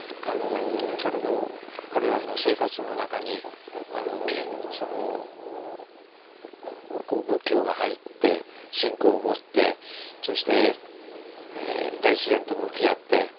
だけど彼らの生活の中に仏教が入って信仰を持ってそして大自然と向き合っている。